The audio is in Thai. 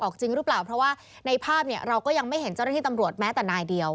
จริงหรือเปล่าเพราะว่าในภาพเนี่ยเราก็ยังไม่เห็นเจ้าหน้าที่ตำรวจแม้แต่นายเดียว